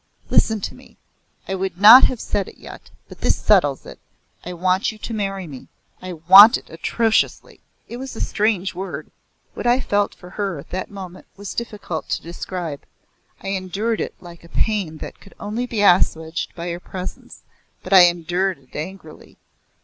"Listen to me. I would not have said it yet, but this settles it. I want you to marry me. I want it atrociously!" It was a strange word. What I felt for her at that moment was difficult to describe. I endured it like a pain that could only be assuaged by her presence, but I endured it angrily.